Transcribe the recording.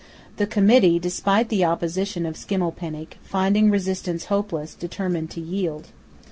The Committee, despite the opposition of Schimmelpenninck, finding resistance hopeless, determined to yield.